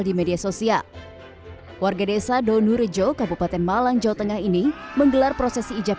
di media sosial warga desa donorejo kabupaten malang jawa tengah ini menggelar prosesi ijab